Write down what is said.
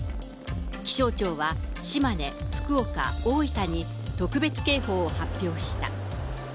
気象庁は島根、福岡、大分に、特別警報を発表した。